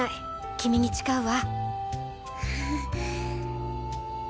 君に誓うわ。